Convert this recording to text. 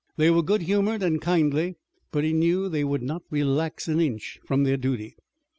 They were good humored and kindly, but he knew they would not relax an inch from their duty.